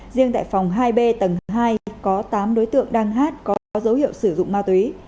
riêng tại phòng hai b tầng hai có tám đối tượng đang hát có dấu hiệu sử dụng ma túy